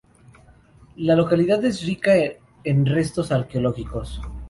La localidad es rica en restos arqueológicos.